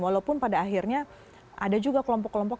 walaupun pada akhirnya ada juga kelompok kelompok